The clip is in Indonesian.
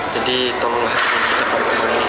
jadi tolonglah kita paruh paruh ini